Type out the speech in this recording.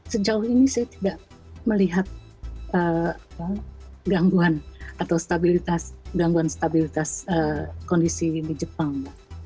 sejauh ini saya tidak melihat gangguan atau gangguan stabilitas kondisi di jepang